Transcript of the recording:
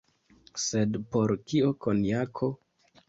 Sed por kio konjako?